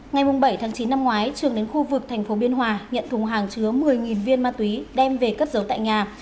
ngày bảy tháng chín năm ngoái trường đến khu vực thành phố biên hòa nhận thùng hàng chứa một mươi viên ma túy đem về cất giấu tại nhà